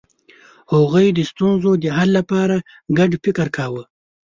هغوی د ستونزو د حل لپاره ګډ فکر کاوه.